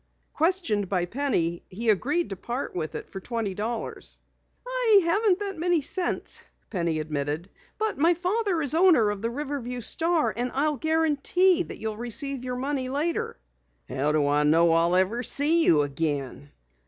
Questioned by Penny, he agreed to part with it for twenty dollars. "I haven't that many cents," Penny admitted. "But my father is owner of the Riverview Star. I'll guarantee that you'll receive your money later." "How do I know I'll ever see you again?"